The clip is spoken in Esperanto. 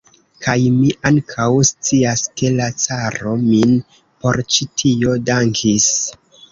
Kaj mi ankaŭ scias, ke la caro min por ĉi tio dankis.